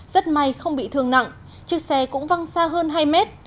rất may không bị thương nặng chiếc xe cũng văng xa hơn hai mét